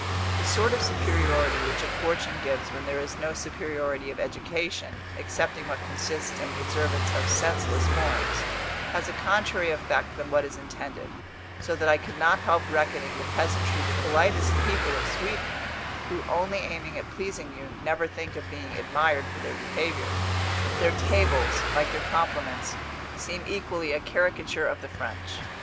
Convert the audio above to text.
The sort of superiority which a fortune gives when there is no superiority of education, excepting what consists in the observance of senseless forms, has a contrary effect than what is intended; so that I could not help reckoning the peasantry the politest people of Sweden, who, only aiming at pleasing you, never think of being admired for their behaviour. Their tables, like their compliments, seem equally a caricature of the French.